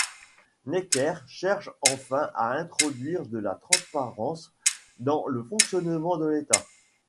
Necker cherche enfin à introduire de la transparence dans le fonctionnement de l’État.